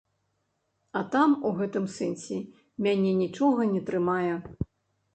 А там у гэтым сэнсе мяне нічога не трымае.